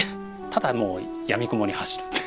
ただもうやみくもに走って。